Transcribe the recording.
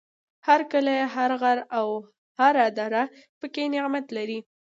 هر کلی، هر غر او هر دره پکې نعمت لري.